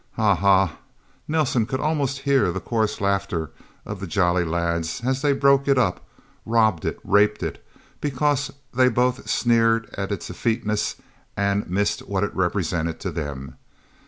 Haw, haw...! Nelsen could almost hear the coarse laughter of the Jolly Lads, as they broke it up, robbed it, raped it because they both sneered at its effeteness, and missed what it represented to them...